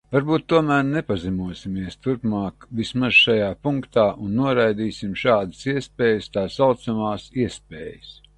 Varbūt tomēr nepazemosimies turpmāk vismaz šajā punktā un noraidīsim šādas iespējas, tā saucamās iespējas.